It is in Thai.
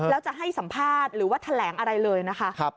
แล้วจะให้สัมภาษณ์หรือว่าแถลงอะไรเลยนะคะ